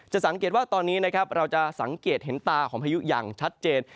สังเกตว่าตอนนี้นะครับเราจะสังเกตเห็นตาของพายุอย่างชัดเจน